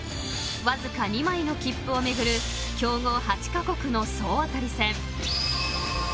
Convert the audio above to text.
［わずか２枚の切符を巡る強豪８カ国の総当たり戦］